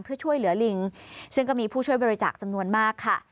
เพื่อช่วยเหลือลิงซึ่งก็มีผู้ช่วยบริจาคจำนวนมากค่ะ